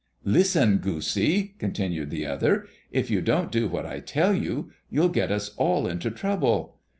"Listen, goosy," continued the other; "if you don't do what I tell you, you'll get us all into trouble.